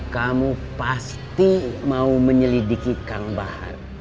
kamu pasti mau menyelidiki kang bahar